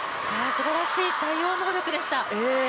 すばらしい対応の能力でした。